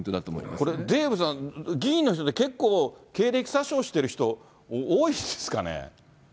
これ、デーブさん、議員の人って結構、経歴詐称してる人、多いですかね。